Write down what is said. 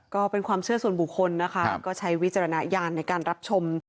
ก็เป็นความเชื่อส่วนบุคคลนะคะก็ใช้วิจารณญาณในการรับชม